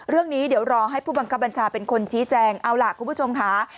เรื่องนี้เดี๋ยวรอให้ผู้บังคับบัญชาเป็นคนชี้แจงเอาล่ะคุณผู้ชมค่ะ